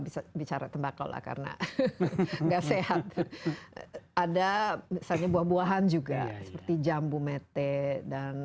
bisa bicara tembakau lah karena enggak sehat ada misalnya buah buahan juga seperti jambu mete dan